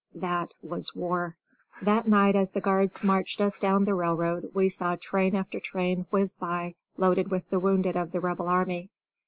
That was war. That night as the guards marched us down the railroad we saw train after train whiz by loaded with the wounded of the Rebel army.